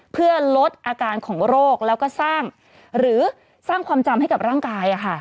เพื่อลดอาการของโรคแล้วก็สร้างหรือสร้างความจำให้กับร่างกาย